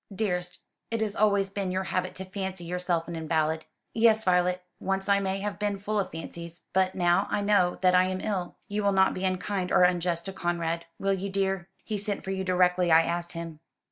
"Dearest, it has always been your habit to fancy yourself an invalid." "Yes, Violet, once I may have been full of fancies: but now I know that I am ill. You will not be unkind or unjust to Conrad, will you, dear? He sent for you directly I asked him.